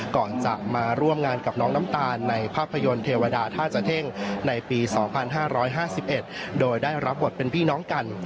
ก่อนจะมาร่วมงานกับน้องน้ำตาลในภาพยนตร์เทวดาท่าจะเท่งในปี๒๕๕๑โดยได้รับบทเป็นพี่น้องกัน